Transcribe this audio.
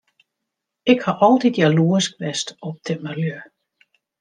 Ik haw altyd jaloersk west op timmerlju.